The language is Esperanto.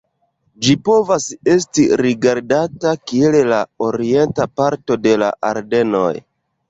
Ĝi povas esti rigardata kiel la orienta parto de la Ardenoj.